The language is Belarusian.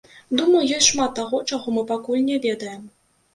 Думаю, ёсць шмат таго, чаго мы пакуль не ведаем.